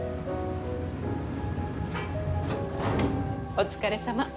お疲れさま。